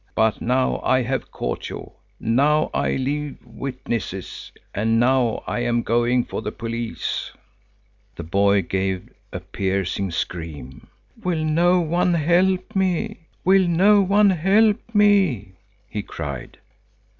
But now I have caught you. Now I leave witnesses, and now I am going for the police." The boy gave a piercing scream. "Will no one help me, will no one help me?" he cried.